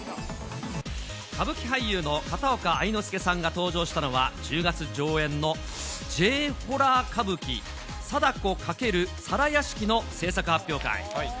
歌舞伎俳優の片岡愛之助さんが登場したのは、１０月上演の日本怪談歌舞伎貞子×皿屋敷の製作発表会。